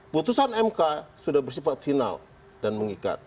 putusan mk sudah bersifat final dan mengikat